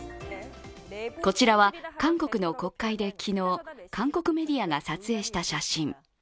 こちらは韓国の国会で、昨日、韓国メディアが撮影した写真。